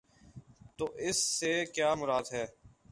تو اس سے کیا مراد ہے؟